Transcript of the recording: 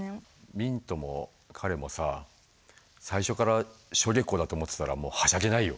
ミントも彼もさ最初からしょげこだと思ってたらはしゃげないよ。